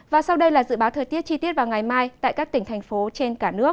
và sau đây là dự báo thời tiết chi tiết vào ngày mai tại các tỉnh thành phố trên cả nước